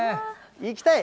行きたい？